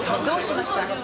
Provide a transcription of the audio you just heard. どうしました？